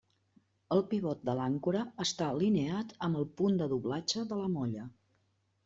El pivot de l'àncora està alineat amb el punt de doblatge de la molla.